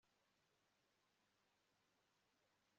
nkibyo wumva…